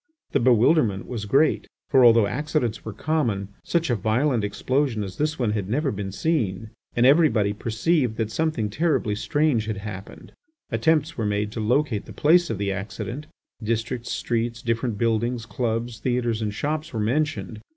The bewilderment was great, for although accidents were common, such a violent explosion as this one had never been seen, and everybody perceived that something terribly strange had happened. Attempts were made to locate the place of the accident; districts, streets, different buildings, clubs, theatres, and shops were mentioned.